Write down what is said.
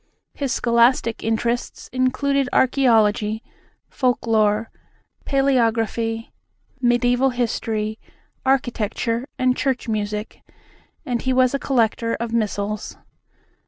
His scholastic interests included archæology, folklore, palæography, mediæval history, architecture and church music; and he was a collector of missals.